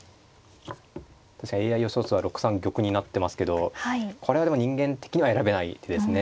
確かにＡＩ予想手は６三玉になってますけどこれはでも人間的には選べない手ですね。